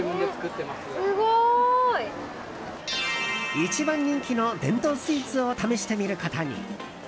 一番人気の伝統スイーツを試してみることに。